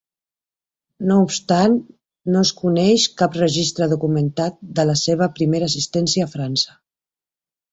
No obstant, no es coneix cap registre documentat de la seva primera existència a França.